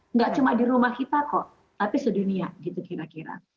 nggak cuma di rumah kita kok tapi sedunia gitu kira kira